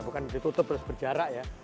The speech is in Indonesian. bukan ditutup terus berjarak ya